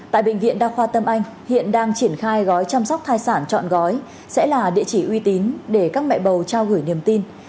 tại bệnh viện đa khoa tâm anh hiện đang triển khai gói chăm sóc thai sản chọn gói sẽ là địa chỉ uy tín để các mẹ bầu trao gửi niềm tin